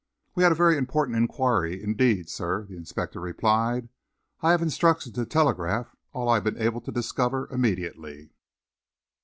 "We had a very important enquiry indeed, sir," the inspector replied. "I have instructions to telegraph all I have been able to discover, immediately."